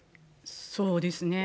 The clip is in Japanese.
そうですね。